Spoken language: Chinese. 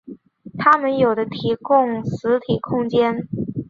它们有的提供实体空间。